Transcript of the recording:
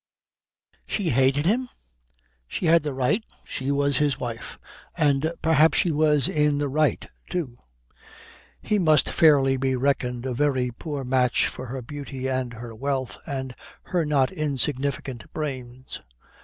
She hated him? She had the right, she was his wife. And perhaps she was in the right too. He must fairly be reckoned a very poor match for her beauty and her wealth and her not insignificant brains.